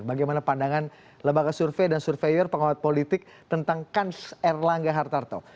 bagaimana pandangan lembaga survei dan surveyor pengawat politik tentang kans erlangga hartarto